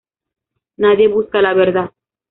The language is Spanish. Nadie busca la verdad.